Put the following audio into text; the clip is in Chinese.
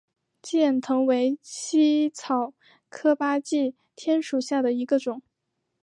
鸡眼藤为茜草科巴戟天属下的一个种。